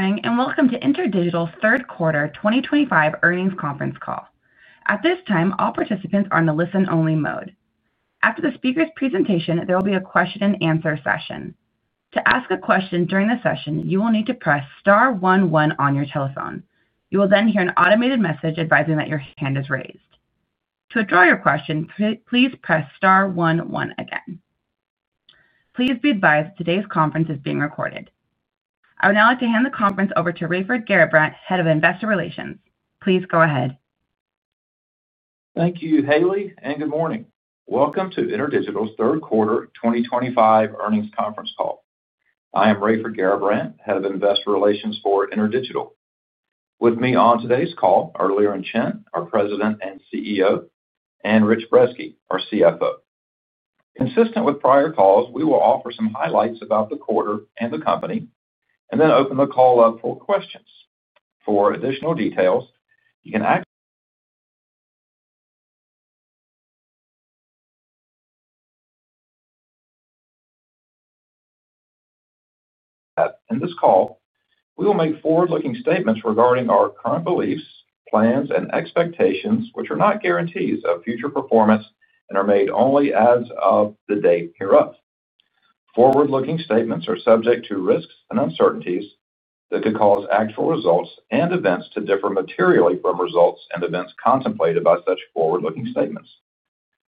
Good morning and welcome to InterDigital third quarter 2025 earnings conference call. At this time all participants are in the listen only mode. After the speaker's presentation there will be a question and answer session. To ask a question during the session you will need to press star one one on your telephone. You will then hear an automated message advising that your hand is raised. To withdraw your question, please press star one one again. Please be advised that today's conference is being recorded. I would now like to hand the conference over to Raiford Garrabrant, Head of Investor Relations. Please go ahead. Thank you, Haley, and good morning. Welcome to InterDigital's third quarter 2025 earnings conference call. I am Raiford Garrabrant, Head of Investor Relations for InterDigital. With me on today's call are Liren Chen, our President and CEO, and Rich Brezski, our CFO. Consistent with prior calls, we will offer some highlights about the quarter and the company, and then open the call up for questions. For additional details, in this call we will make forward-looking statements regarding our current beliefs, plans, and expectations, which are not guarantees of future performance and are made only as of the date hereof. Forward-looking statements are subject to risks and uncertainties that could cause actual results and events to differ materially from results and events contemplated by such forward-looking statements.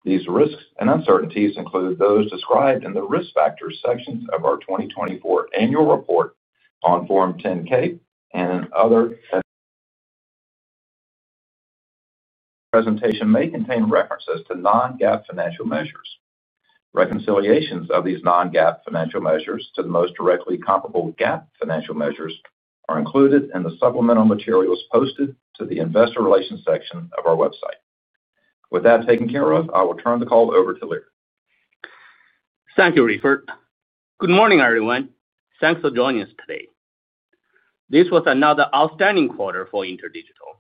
These risks and uncertainties include those described in the Risk Factors sections of our 2024 Annual Report on Form 10-K and other filings. This presentation may contain references to non-GAAP financial measures. Reconciliations of these non-GAAP financial measures to the most directly comparable GAAP financial measures are included in the supplemental materials posted to the Investor Relations section of our website. With that taken care of, I will turn the call over to Liren. Thank you. Raiford, good morning everyone. Thanks for joining us today. This was another outstanding quarter for InterDigital.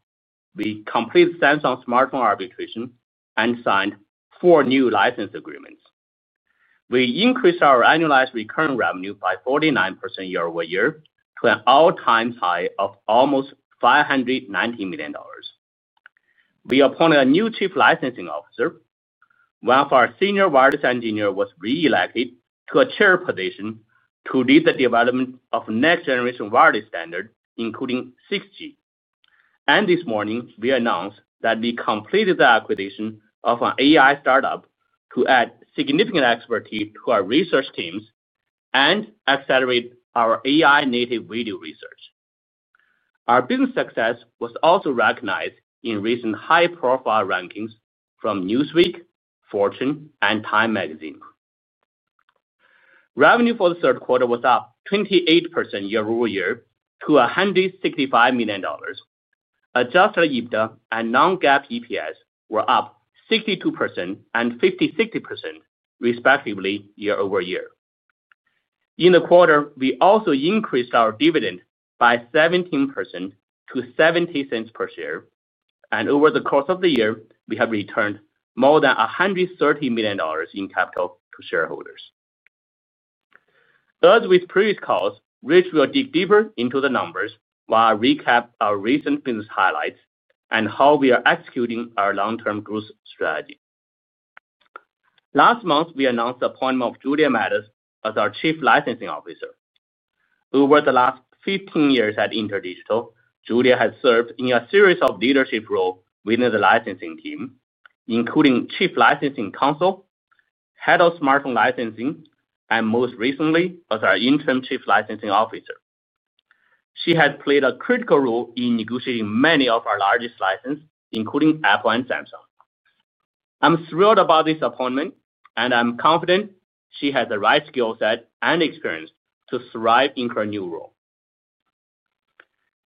We completed Samsung smartphone arbitration and signed four new license agreements. We increased our annualized recurring revenue by 49% year over year to an all-time high of almost $590 million. We appointed a new Chief Licensing Officer. One of our senior wireless engineers was re-elected to a chair position to lead the development of next generation wireless standards including 6G. This morning we announced that we completed the acquisition of an AI startup to add significant expertise to our research teams and accelerate our AI native video research. Our business success was also recognized in recent high profile rankings from Newsweek, Fortune, and Time Magazine. Revenue for the third quarter was up 28% year over year to $165 million. Adjusted EBITDA and non-GAAP EPS were up 62% and 56% respectively, year over year in the quarter. We also increased our dividend by 17% to $0.70 per share. Over the course of the year we have returned more than $130 million. In capital to shareholders. As with previous calls, Rich will dig deeper into the numbers while recapping our recent business highlights and how we are executing our long-term growth strategy. Last month we announced the appointment of Julia Mattis as our Chief Licensing Officer. Over the last 15 years at InterDigital, Julia has served in a series of leadership roles within the licensing team, including Chief Licensing Counsel, Head of Smartphone Licensing, and most recently as our Interim Chief Licensing Officer. She has played a critical role in negotiating many of our largest licenses, including Apple and Samsung. I'm thrilled about this appointment and I'm confident she has the right skill set and experience to thrive in her new role.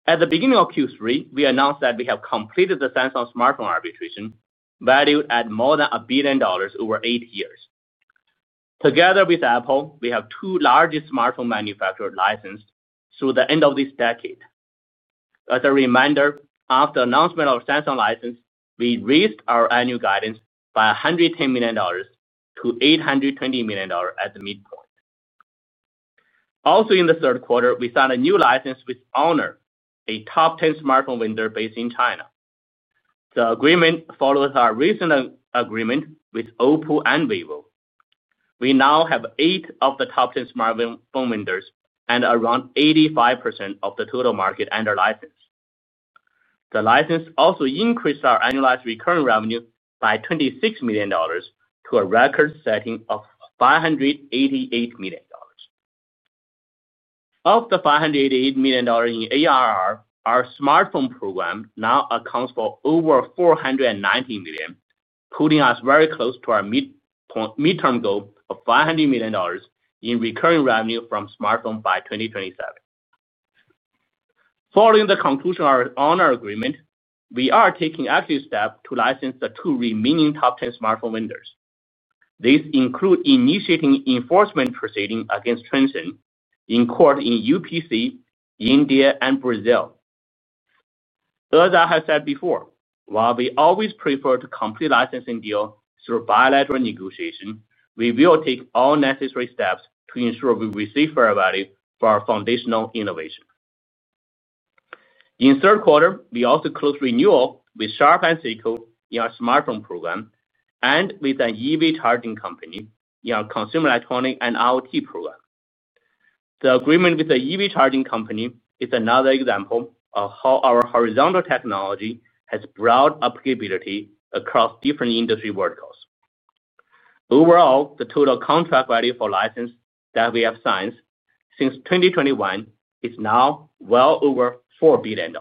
At the beginning of Q3, we announced that we have completed the Samsung smartphone arbitration valued at more than $1 billion over eight years. Together with Apple, we have the two largest smartphone manufacturers licensed through the end of this decade. As a reminder, after the announcement of the Samsung license, we raised our annual guidance by $110 million to $820 million at the midpoint. Also in the third quarter, we signed a new license with Honor, a top 10 smartphone vendor based in China. The agreement follows our recent agreements with Oppo and Vivo. We now have eight of the top 10 smartphone vendors and around 85% of the total market under license. The license also increased our annualized recurring revenue by $26 million to a record setting $588 million. Of the $588 million in ARR, our smartphone program now accounts for over $419 million, putting us very close to our mid-term goal of $500 million in recurring revenue from smartphones by 2027. Following the conclusion of our Honor agreement, we are taking active steps to license the two remaining top 10 smartphone vendors. These include initiating enforcement proceedings against Transsion in court in UPC, India, and Brazil. As I have said before, while we always prefer to complete licensing deals through bilateral negotiation, we will take all necessary steps to ensure we receive fair value for our foundational innovation. In the third quarter, we also closed renewals with Sharp and Safehold in our smartphone program and with an EV charging company in our consumer electronics and IoT program. The agreement with the EV charging company is another example of how our horizontal technology has broad applicability across different industry verticals. Overall, the total contract value for licenses that we have signed since 2021 is now well over $4 billion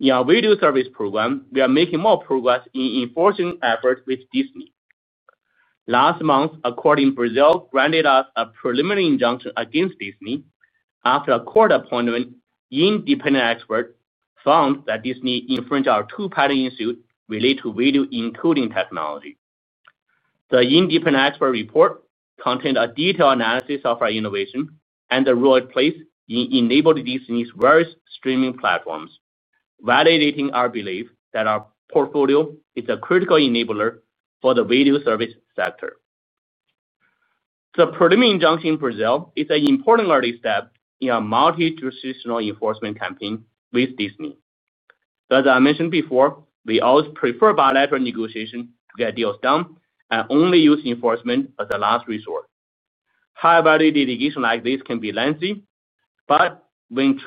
in our video service program. We are making more progress in enforcement efforts with Disney. Last month, a court in Brazil granted us a preliminary injunction against Disney. After a court-appointed independent expert found that Disney infringed our two patent issues related to video encoding technology, the independent expert report contained a detailed analysis of our innovation and the role it plays in enabling Disney's various streaming platforms, validating our belief that our portfolio is a critical enabler for the video service sector. The preliminary injunction in Brazil is an important early step in a multi-jurisdictional enforcement campaign with Disney. As I mentioned before, we always prefer bilateral negotiation to get deals done and only use enforcement as a last resort. High-value litigation like this can be lengthy, but when we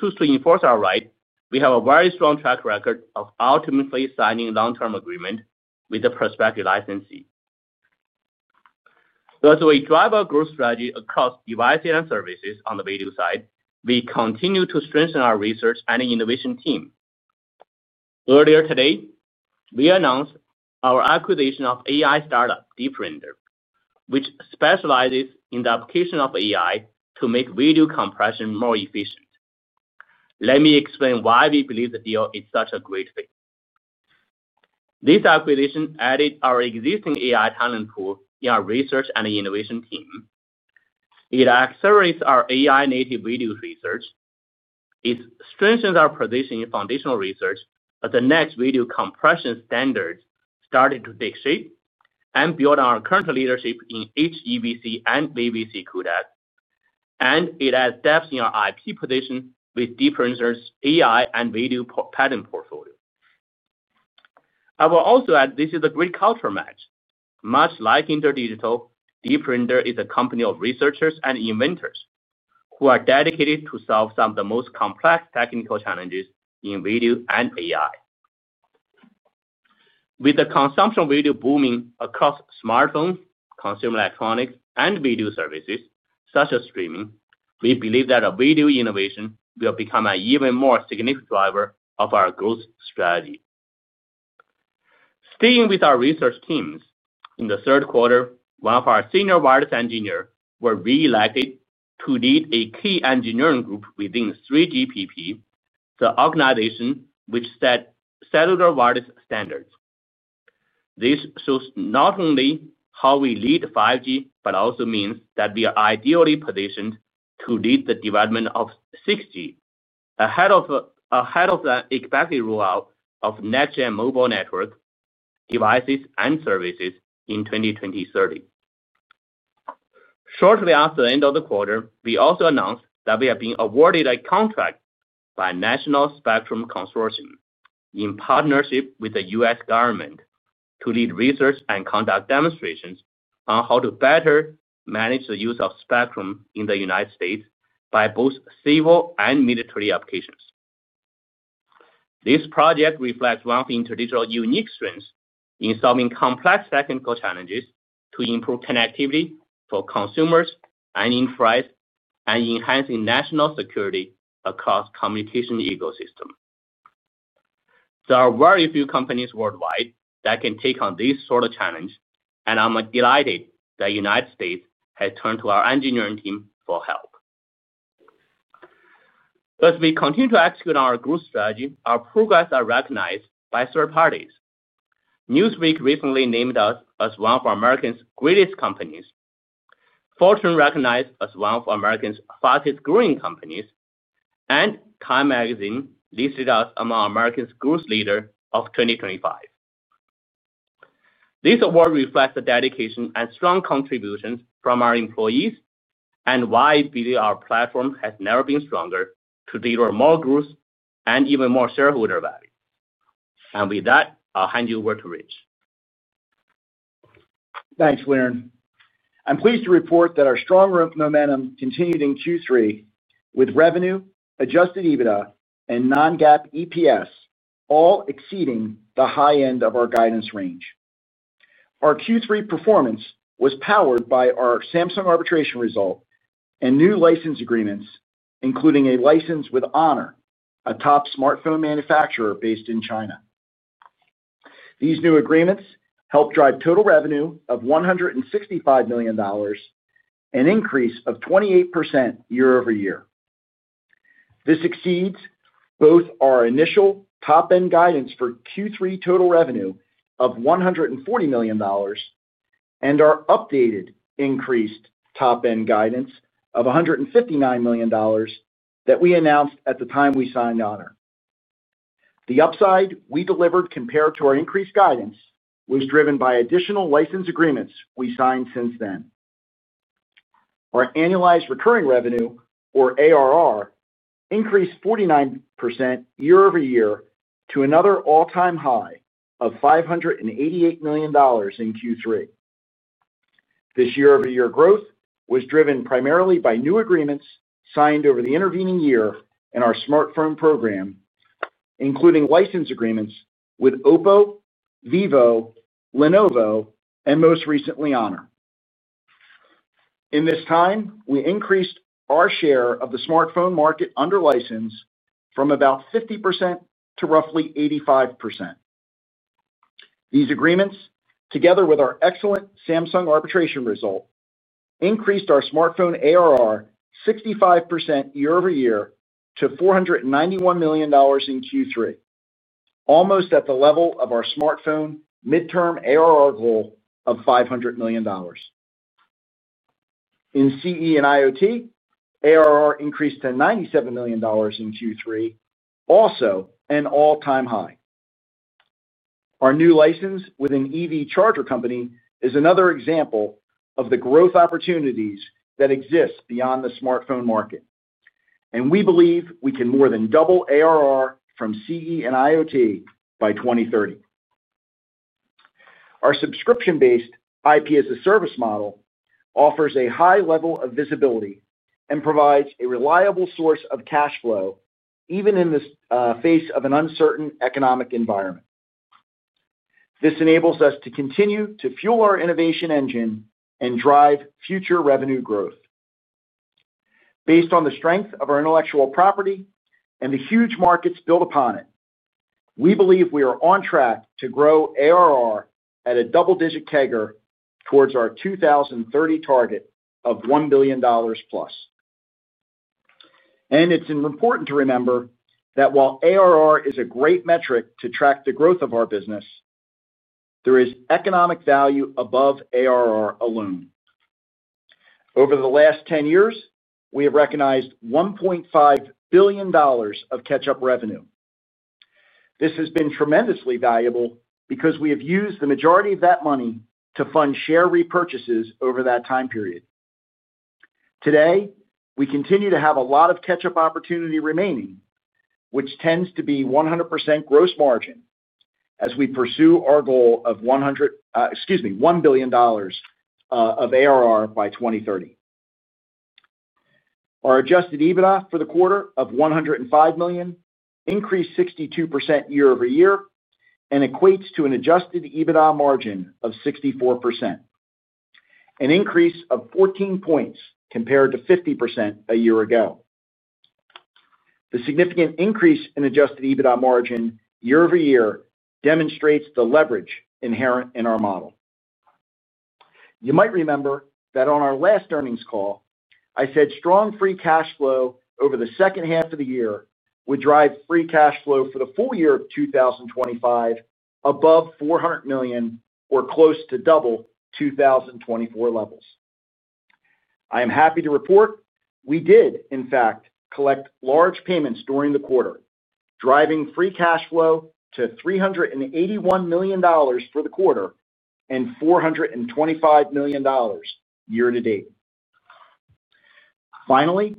choose to enforce our rights, we have a very strong track record of ultimately signing long-term agreements with the prospective licensee as we drive our growth strategy across devices and services. On the video side, we continue to strengthen our research and innovation team. Earlier today, we announced our acquisition of AI startup Deep Render, which specializes in the application of AI to make video compression more efficient. Let me explain why we believe the deal is such a great thing. This acquisition adds to our existing AI talent pool in our research and innovation team. It accelerates our AI native video research, it strengthens our position in foundational research for the next video compression standards starting to take shape, and builds on our current leadership in HEVC and AVC codec. It adds depth in our IP position with Deep Render's AI and video patent portfolio. I will also add this is a great culture match. Much like InterDigital, Deep Render is a company of researchers and inventors who are dedicated to solving some of the most complex technical challenges.In video and AI. With the consumption video booming across smartphones, consumer electronics, and video services such as streaming, we believe that video innovation will become an even more significant driver of our growth strategy. Staying with our research teams, in the third quarter, one of our senior wireless engineers was re-elected to lead a key engineering group within 3GPP, the organization which sets cellular wireless standards. This shows not only how we lead 5G but also means that we are ideally positioned to lead the development of 6G ahead of the expected rollout of next-gen mobile network devices and services in 2030. Shortly after the end of the quarter, we also announced that we have been awarded a contract by the National Spectrum Consortium in partnership with the U.S. Government to lead research and conduct demonstrations on how to better manage the use of spectrum in the United States by both civil and military applications. This project reflects one of the interdisciplinary unique strengths in solving complex technical challenges to improve connectivity for consumers and enterprise and enhancing national security across the communication ecosystem. There are very few companies worldwide that can take on this sort of challenge, and I'm delighted that the United States has turned to our engineering team for help. As we continue to execute on our growth strategy, our progress is recognized by third parties. Newsweek recently named us as one of America's greatest companies, Fortune recognized us as one of America's fastest growing companies, and Time Magazine listed us among America's Growth Leaders of 2025. This award reflects the dedication and strong contributions from our employees and why our platform has never been stronger to deliver more growth and even more shareholder value. With that, I'll hand you over to Rich. Thanks Liren. I'm pleased to report that our strong growth momentum continued in Q3 with revenue, adjusted EBITDA, and non-GAAP EPS all exceeding the high end of our guidance range. Our Q3 performance was powered by our Samsung arbitration result and new license agreements, including a license with Honor, a top smartphone manufacturer based in China. These new agreements helped drive total revenue of $165 million, an increase of 28% year over year. This exceeds both our initial top end guidance for Q3 total revenue of $140 million and our updated increased top end guidance of $159 million that we announced at the time we signed Honor. The upside we delivered compared to our increased guidance was driven by additional license agreements we signed. Since then, our annualized recurring revenue, or ARR, increased 49% year over year to another all-time high of $588 million in Q3. This year over year growth was driven primarily by new agreements signed over the intervening year in our smartphone program, including license agreements with Oppo, Vivo, Lenovo, and most recently Honor. In this time, we increased our share of the smartphone market under license from about 50% to roughly 85%. These agreements, together with our excellent Samsung arbitration result, increased our smartphone ARR 65% year over year to $491 million in Q3, almost at the level of our smartphone midterm ARR goal of $500 million. CE and IoT ARR increased to $97 million in Q3, also an all-time high. Our new license with an EV charging company is another example of the growth opportunities that exist beyond the smartphone market, and we believe we can more than double ARR from CE and IoT by 2030. Our subscription-based IP as a service model offers a high level of visibility and provides a reliable source of cash flow even in the face of an uncertain economic environment. This enables us to continue to fuel our innovation engine and drive future revenue growth. Based on the strength of our intellectual property and the huge markets built upon it, we believe we are on track to grow ARR at a double-digit CAGR towards our 2030 target of $1 billion plus. It's important to remember that while ARR is a great metric to track the growth of our business, there is economic value above ARR alone. Over the last 10 years, we have recognized $1.5 billion of catch up revenue. This has been tremendously valuable because we have used the majority of that money to fund share repurchases over that time period. Today, we continue to have a lot of catch up opportunity remaining, which tends to be 100% gross margin as we pursue our goal of $1 billion of ARR by 2030. Our. Adjusted EBITDA for the quarter of $105 million increased 62% year over year and equates to an adjusted EBITDA margin of 64%, an increase of 14 points compared to 50% a year ago. The significant increase in adjusted EBITDA margin year over year demonstrates the leverage inherent in our model. You might remember that on our last earnings call I said strong free cash flow over the second half of the year would drive free cash flow for the full year of 2025 above $400 million or close to double 2024 levels. I am happy to report we did in fact collect large payments during the quarter, driving free cash flow to $381 million for the quarter and $425 million year to date. Finally,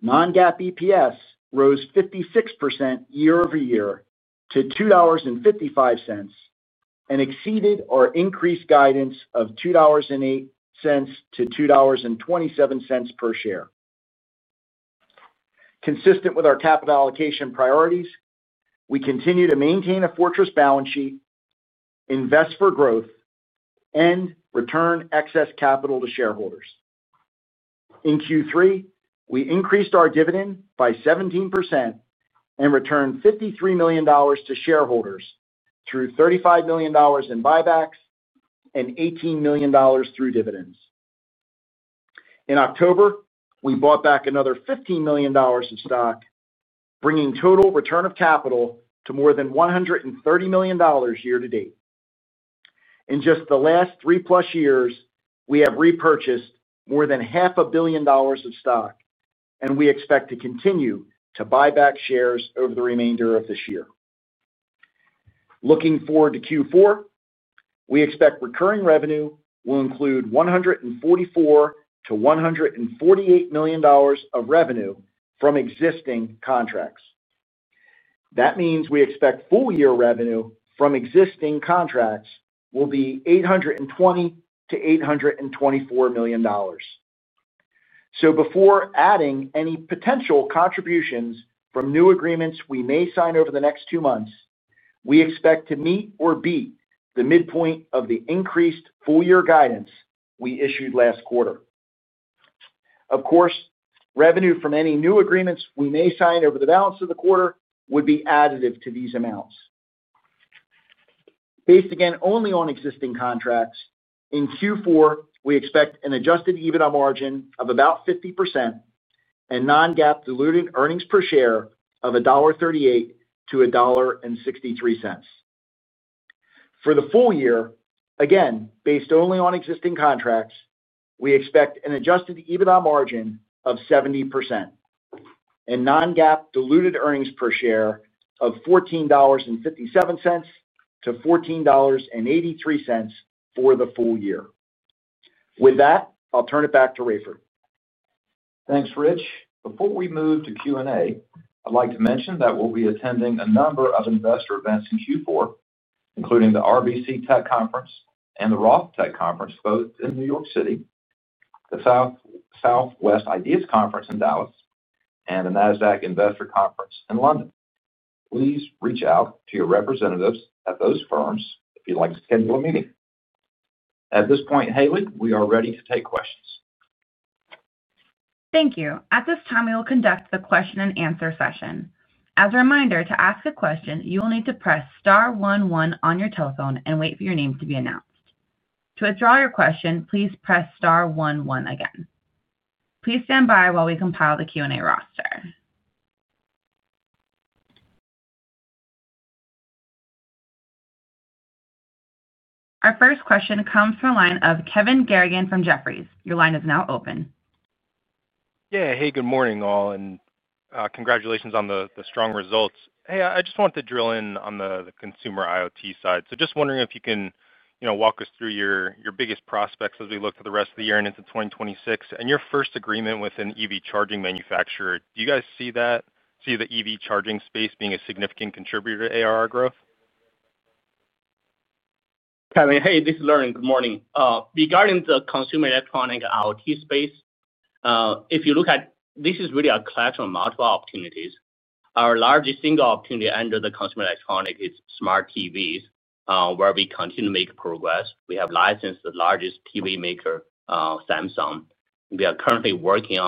non-GAAP EPS rose 56% year over year to $2.55 and exceeded our increased guidance of $2.08-$2.27 per share. Consistent with our capital allocation priorities, we continue to maintain a fortress balance sheet, invest for growth, and return excess capital to shareholders. In Q3 we increased our dividend by 17% and returned $53 million to shareholders through $35 million in buybacks and $18 million through dividends. In October, we bought back another $15 million of stock, bringing total return of capital to more than $130 million year to date. In just the last three plus years, we have repurchased more than $0.5 billion dollars of stock and we expect to continue to buy back shares over the remainder of this year. Looking forward to Q4, we expect recurring revenue will include $144 million-$148 million of revenue from existing contracts. That means we expect full year revenue from existing contracts will be $820 million-$824 million. Before adding any potential contributions from new agreements we may sign over the next two months, we expect to meet or beat the midpoint of the increased full year guidance we issued last quarter. Of course, revenue from any new agreements we may sign over the balance of the quarter would be additive to these amounts based again only on existing contracts. In Q4, we expect an adjusted EBITDA margin of about 50% and non-GAAP diluted earnings per share of $1.38-$1.63 for the full year. Again, based only on existing contracts, we expect an adjusted EBITDA margin of 70% and non-GAAP diluted earnings per share of $14.57-$14.83 for the full year. With that, I'll turn it back to Raiford. Thanks, Rich. Before we move to Q&A, I'd like to mention that we'll be attending a number of investor events in Q4, including the RBC Tech Conference and the ROTH Tech Conference, both in New York City, the Southwest Ideas Conference in Dallas, and the NASDAQ Investor Conference in London. Please reach out to your representatives at those firms if you'd like to schedule a meeting at this point. Hayley, we are ready to take questions. Thank you. At this time, we will conduct the question and answer session. As a reminder, to ask a question, you will need to press star one one on your telephone and wait for your name to be announced. To withdraw your question, please press star one one again. Please stand by while we compile the Q&A roster. Our first question comes from the line of Kevin Garrigan from Jefferies. Your line is now open. Yeah. Hey, good morning all and congratulations on the strong results. I just want to drill in on the consumer IoT side, so just wondering if you can walk us through your biggest prospects as we look to the rest of the year and into 2026 and your first agreement with an EV charging manufacturer. Do you guys see that? See the EV charging space being a significant contributor to ARR growth. Kevin, hey, this is Liren. Good morning. Regarding the consumer electronic IoT space, if you look at this, it is really a collection of multiple opportunities. Our largest single opportunity under the Consumer. Electronic is smart TVs where we continue to make progress. We have licensed the largest TV maker, Samsung. We are currently working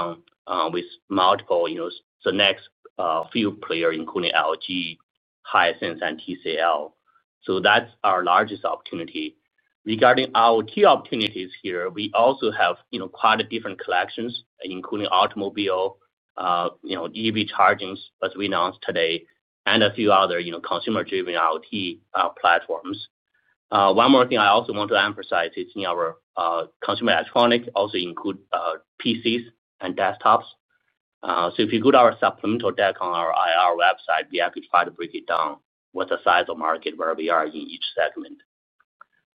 with multiple of the next few players including LG, Hisense, and TCL, so that's our largest opportunity. Regarding our key opportunities here, we also have quite a different collections including automobile EV charging as we announced today, and a few other consumer driven IoT platforms. One more thing I also want to. Emphasis is in our consumer electronics, also include PCs and desktops. If you go to our supplemental deck on our IR website, we actually try to break it down, what the size of market where we are in each segment.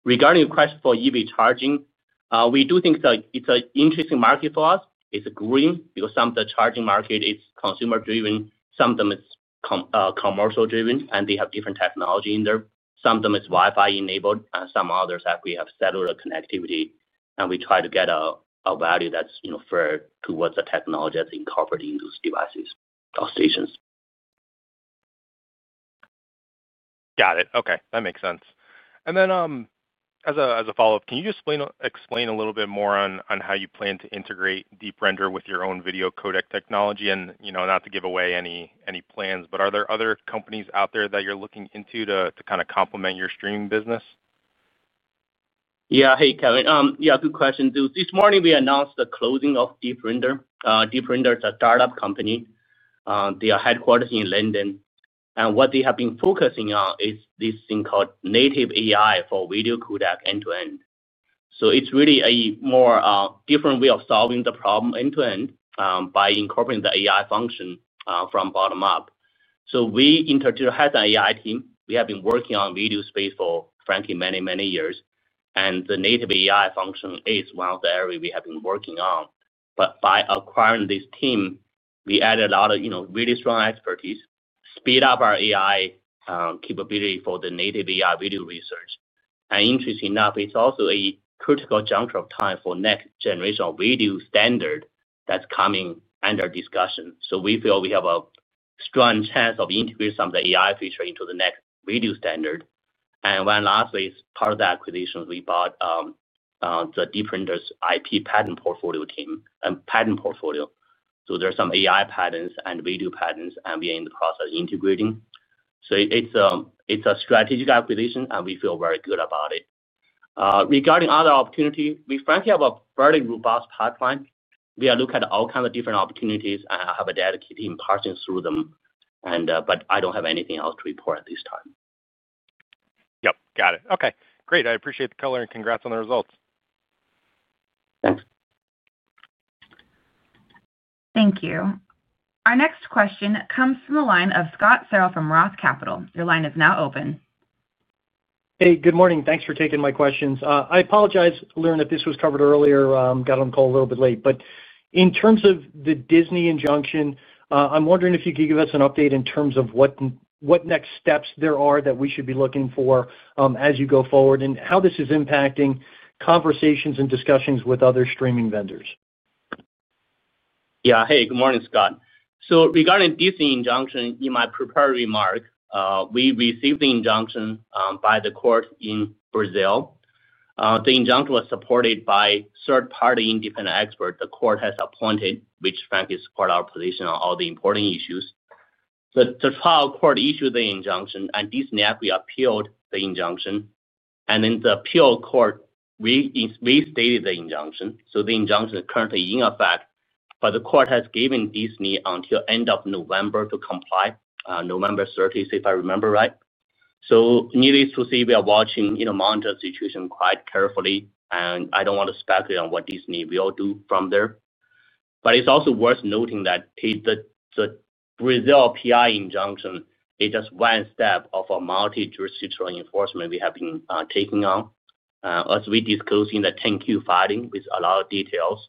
Regarding your question for EV charging, we do think it's an interesting market for us. It's green because some of the charging. Market is consumer driven, some of them. Is commercial driven and they have different technology in there. Some of them is Wi-Fi enabled and some others actually have cellular connectivity, and we try to get a value that's fair to what the technology that's incorporating those devices or stations. Got it. Okay, that makes sense. As a follow up, can you just explain a little bit more on how you plan to integrate Deep Render with your own video codec technology? Not to give away any plan, but are there other companies out there that you're looking into to kind of complement your streaming business? Yeah. Hey, Kevin. Yeah, good question. This morning we announced the closing of Deep Render. Deep Render is a startup company, they. Are headquartered in London, and what they have been focusing on is this thing. Called Native AI for video codec end to end. It is really a more different way of solving the problem end to end. By incorporating the AI function from bottom up. We, InterDigital, has an AI team. We have been working on video space for frankly many, many years, and the Native AI function is one of the areas we have been working on. By acquiring this team, we added a lot of really strong expertise to speed up our AI capability for the Native AI video research. Interestingly enough, it's also critical. Juncture of time for next generation of video standard that's coming under discussion. We feel we have a strong chance of integrating some of the AI feature into the next video standard and when. Lastly, part of the acquisitions, we bought the Deep Render IP Patent Portfolio Team and patent portfolio. There are some AI patents and video patents and we are in the process integrating. It's a strategic acquisition and we feel very good about it. Regarding other opportunities, we frankly have a fairly robust pipeline. We look at all kinds of different opportunities. Opportunities and have a dedicated team passing through them. I don't have anything else to report at this time. Yep, got it. Okay, great. I appreciate the color, and congrats on the results. Thanks. Thank you. Our next question comes from the line of Scott Searle from ROTH Capital. Your line is now open. Hey, good morning. Thanks for taking my questions. I apologize, Liren, if this was covered earlier. Got on call a little bit late, but in terms of the Disney injunction, I'm wondering if you could give us an update in terms of what next steps there are that we should be looking for as you go forward and how this is impacting conversations and discussions with other streaming vendors. Yeah. Hey, good morning, Scott. Regarding the Disney injunction, in my prepared. Remark, we received the injunction by the court in Brazil. The injunction was supported by a third-party independent expert the court has appointed, which frankly is quite our position on all the important issues. The trial court issued the injunction, and Disney appealed the injunction, and the appeal court restated the injunction. The injunction is currently in effect, but the court has given Disney until the end of November to comply. November 30th, if I remember right. Needless to say, we are watching. Monitor the situation quite carefully, and I don't want to speculate on what Disney will do from there. It is also worth noting that the. Brazil PI injunction is just one step of a multi-jurisdictional enforcement we have been taking on. As we disclose in the 10-Q filing with a lot of details,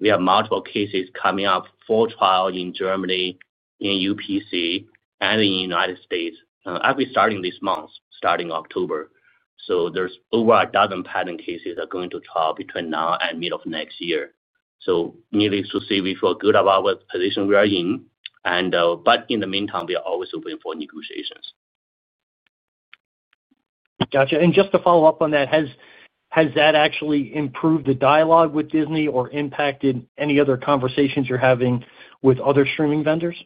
we have multiple cases coming up for trial in Germany, in UPC, and in United States actually starting this month, starting October. There's over a dozen patent cases are going to trial between now and mid of next year. Needless to say we feel good about what position we are in, but in the meantime we are always open for negotiations. Gotcha. Just to follow up on that, has that actually improved the dialogue with Disney or impacted any other conversations you're having with other streaming vendors?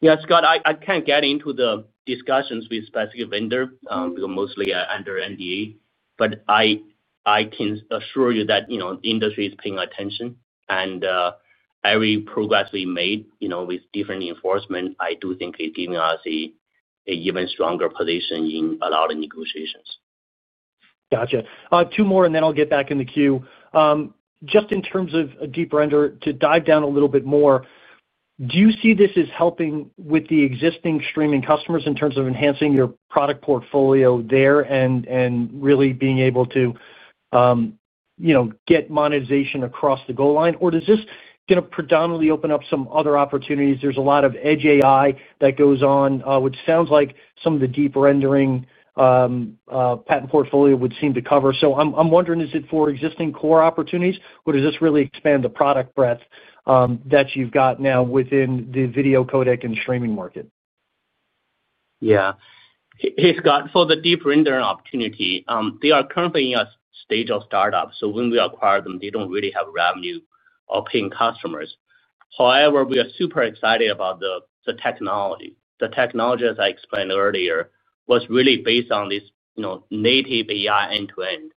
Yeah, Scott, I can't get into the. Discussions with specific vendor because mostly under NDA. I can assure you that the industry is paying attention, and every progress we made with different enforcement, I do think it giving us an even stronger position in a lot of negotiations. Got you two more and then I'll get back in the queue. Just in terms of a deeper ender to dive down a little bit more, do you see this as helping with the existing streaming customers in terms of enhancing your product portfolio there and really being able to get monetization across the goal line, or is this going to predominantly open up some other opportunities? There's a lot of Edge AI that goes on, which sounds like some of the Deep Render patent portfolio would seem to cover. I'm wondering, is it for existing core opportunities, or does this really expand the product breadth that you've got now within the video codec and streaming market? Yeah. Hey Scott. For the Deep Render opportunity, they are. Currently in a stage of startup, so when we acquire them, they don't really have revenue or paying customers. However, we are super excited about the technology. The technology, as I explained earlier, was really based on this native AI end to end.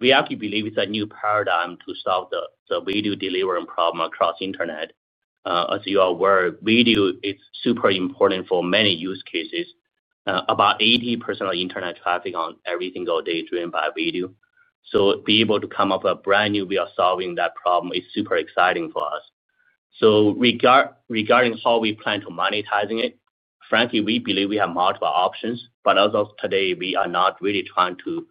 We actually believe it's a new paradigm to solve the video delivery problem across Internet. As you are aware, video is super important for many use cases. About 80% of Internet traffic on every single day is driven by video. To be able to come up with a brand new way of solving that problem is super exciting for us. Regarding how we plan to monetize it, frankly, we believe we have multiple options. As of today, we are not really trying to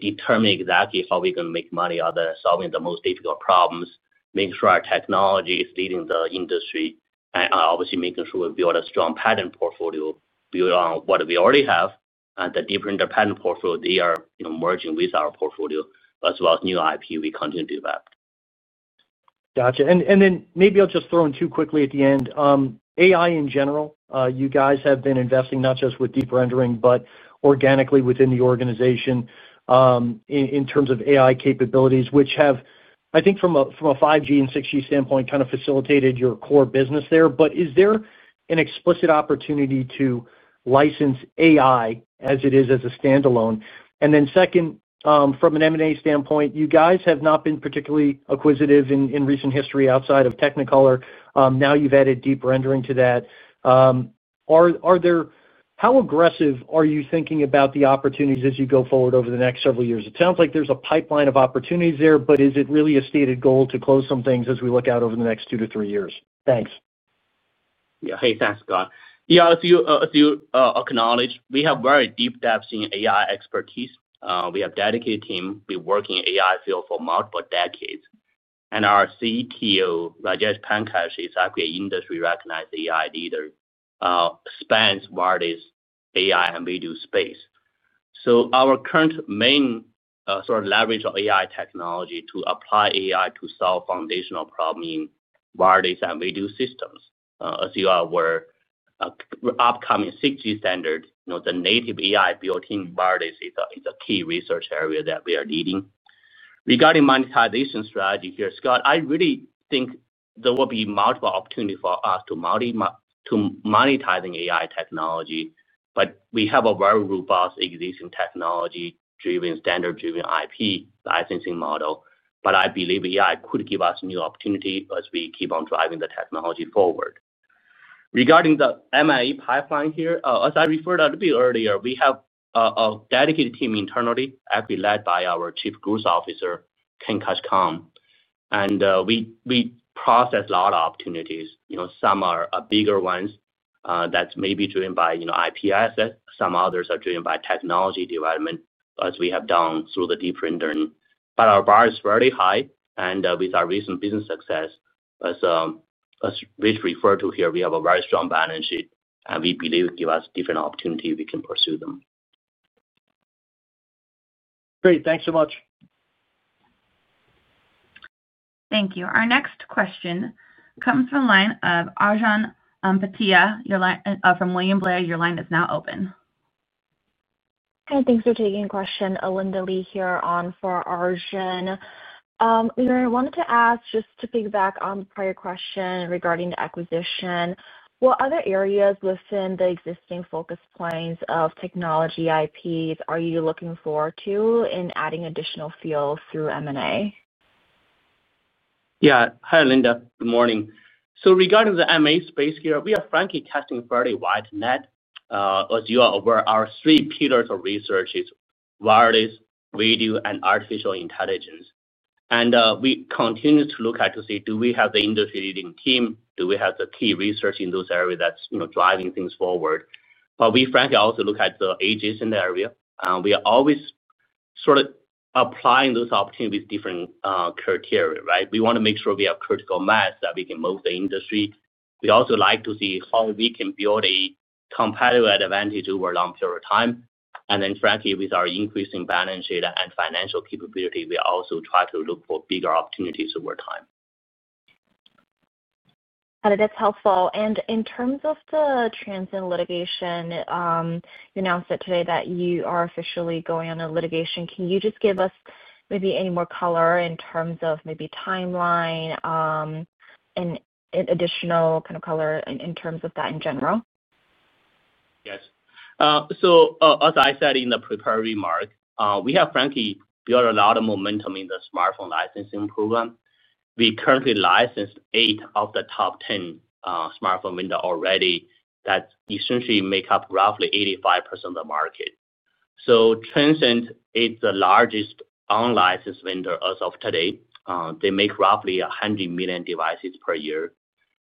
determine exactly how we can make money other than solving the most difficult problems, making sure our technology is leading the industry, and obviously making sure we build a strong patent portfolio, which we already have. The deeper in the patent portfolio, they are merging with our portfolio as well as new IP. We continue to do that. Gotcha. Maybe I'll just throw in two quickly at the end. AI in general, you guys have been investing not just with Deep Render, but organically within the organization in terms of AI capabilities which have, I think from a 5G and 6G standpoint, kind of facilitated your core business there. Is there an explicit opportunity to license AI as it is as a standalone? Second, from an M&A standpoint, you guys have not been particularly acquisitive in recent history outside of Technicolor. Now you've added Deep Render to that. How aggressive are you thinking about the opportunities as you go forward over the next several years? It sounds like there's a pipeline of opportunities there. Is it really a stated goal to close some things as we look out over the next two to three years? Thanks. Yeah. Hey, thanks, Scott. Yeah, as you acknowledge, we have very deep. Depth in AI expertise. We have dedicated team, we work in AI field for multiple decades, and our CTO Rajesh Pankaj is actually an industry recognized AI leader, spans various AI and video space. Our current main sort of leverage. Of AI technology to apply AI to solve foundational problem in wireless and radio systems as you are upcoming 6G standard, the native AI built in wireless is a key research area that we are. Leading regarding monetization strategy here. Scott, I really think there will be. Multiple opportunities for us to monetize AI technology. We have a very robust existing technology-driven, standard-driven IP licensing model. I believe AI could give us new opportunity as we keep on driving the technology forward. Regarding the MIE pipeline here, as I referred a little bit earlier, we have a dedicated team internally actually led by. Our Chief Growth Officer Ken Kaskoun. We process a lot of opportunities. Some are bigger ones that may be driven by IP assets. Some others are driven by technology development as we have done through the Deep Render acquisition. Our bar is fairly high. With our recent business success, as Rich referred to here, we have a very strong balance sheet, and we believe give us different opportunity, we can pursue them. Great. Thanks so much. Thank you. Our next question comes from the line of Arjun Bhatia from William Blair. Your line is now open. Thanks for taking the question, Alinda Li here on for Arjun. I wanted to ask, just to piggyback on the prior question regarding the acquisition, what other areas within the existing focus points of technology IPs are you looking forward to in adding additional field through M&A? Yeah. Hi Linda, good morning. Regarding the M&A space here, we are frankly testing a fairly wide net. As you are aware, our three pillars of research are wireless, video, and artificial intelligence. We continue to look at it. Do we have the industry leading team, do we have the key research in those areas that's driving things forward? We frankly also look at the ages in the area. We are always sort of applying those opportunities, different criteria. We want to make sure we have critical mass that we can move the industry. We also like to see how we. Can build a competitive advantage over a long period of time. Frankly, with our increasing balance sheet and financial capability, we also try to look for bigger opportunities over time. That's helpful. In terms of the Transsion litigation, you announced today that you are officially going on a litigation. Can you just give us maybe any more color in terms of maybe timeline and additional kind of color in terms of that in general, yes. As I said in the prepared remark, we have frankly built a lot. Momentum in the smartphone licensing program. We currently licensed eight of the top. 10 smartphone vendors already that essentially make up roughly 85% of the market. Transsion is the largest online vendor as of today. They make roughly 100 million devices per year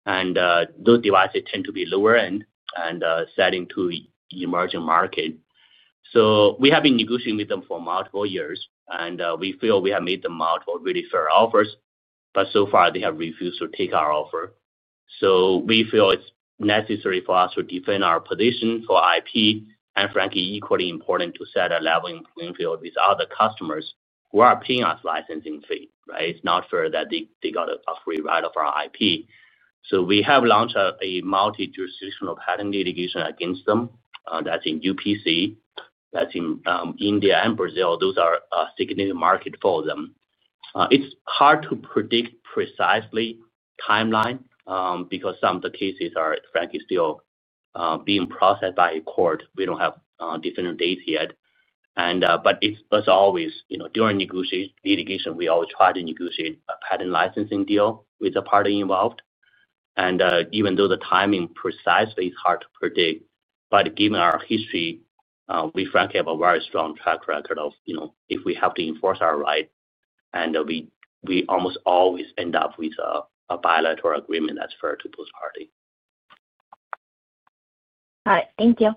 and those devices tend to be lower end and selling to emerging market. We have been negotiating with them for multiple years and we feel we have made them multiple really fair offers. They have refused to take our offer. We feel it's necessary for us to defend our position for IP and, frankly, equally important to set a level playing field with other customers who are paying us licensing fee. It's not fair that they got a free ride of our IP. We have launched a multi-jurisdictional patent litigation against them. That's in UPC, that's in India and Brazil. Those are significant market for them. It's hard to predict precisely timeline because some of the cases are, frankly, still being processed by a court. We don't have different dates yet. As always, during litigation we always try to negotiate a patent licensing deal with a party involved. Even though the timing precisely is hard to predict, given our history, we, frankly, have a very strong track record of, you know, if we have to enforce our right and we almost always end up with a bilateral agreement that's fair to both parties. All right, thank you.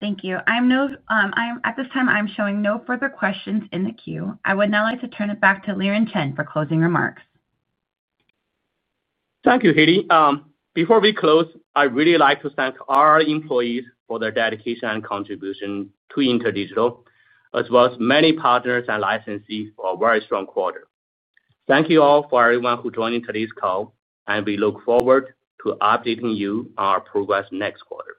Thank you. At this time, I'm showing no further questions in the queue. I would now like to turn it back to Liren Chen for closing remarks. Thank you, Haley. Before we close, I really like to thank our employees for their dedication and contribution to InterDigital, as well as many partners and licensees for a very strong quarter. Thank you all for everyone who joined today's call, and we look forward to. Updating you on our progress next quarter.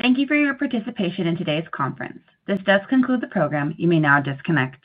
Thank you for your participation in today's conference. This does conclude the program. You may now disconnect.